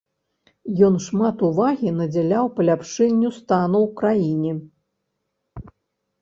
Ён шмат увагі надзяляў паляпшэнню стану ў краіне.